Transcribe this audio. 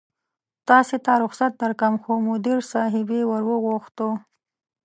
تاسې ته رخصت درکوم، خو مدیر صاحبې ور وغوښتو.